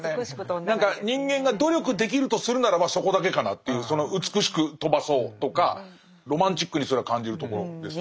何か人間が努力できるとするならばそこだけかなっていうその美しく飛ばそうとかロマンチックにそれは感じるところです。